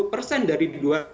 dua puluh persen dari